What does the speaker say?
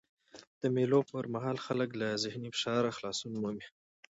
د مېلو پر مهال خلک له ذهني فشار خلاصون مومي.